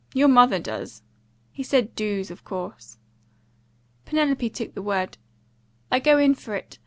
Your mother does." He said DOOS, of course. Penelope took the word. "I go in for it.